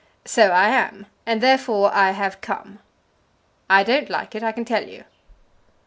So I am, and therefore I have come. I don't like it, I can tell you."